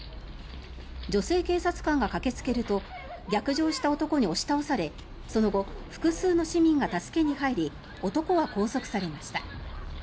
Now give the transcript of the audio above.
女性警察官が駆けつけると逆上した男に押し倒されその後、複数の市民が助けに入り男は拘束されました。